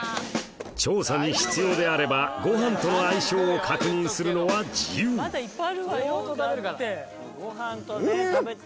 調査に必要であればご飯との相性を確認するのは自由ん！